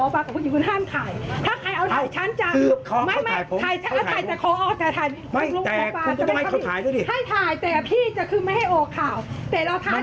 ไม่ใช่ไม่ไม่ใช่ไม่ภาพหน้าขายไปเลยก็ได้กลับมาถ่าย